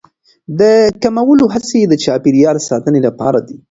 د کمولو هڅې د چاپیریال ساتنې لپاره دي.